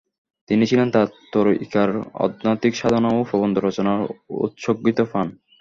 তিনি ছিলেন তার তরীকার আধ্যাত্মিক সাধনা ও প্রবন্ধ রচনায় উৎসর্গিত প্রাণ।